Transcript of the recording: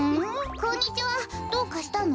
こんにちはどうかしたの？